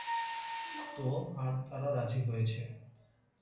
তো, আর কারা রাজি হয়েছে?